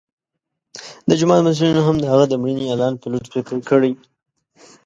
د جومات مسؤلینو هم د هغه د مړینې اعلان په لوډسپیکر کړی.